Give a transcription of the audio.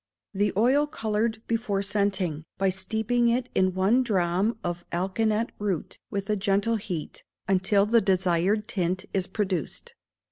The oil coloured before scenting, by steeping in it one drachm of alkanet root, with a gentle heat, until the desired tint is produced.